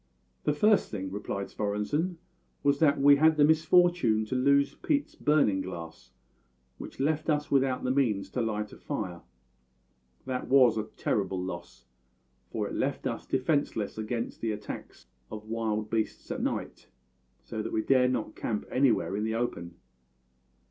"The first thing," replied Svorenssen, "was that we had the misfortune to lose Pete's burning glass, which left us without the means to light a fire. That was a terrible loss, for it left us defenceless against the attacks of wild beasts at night, so that we dared not camp anywhere in the open.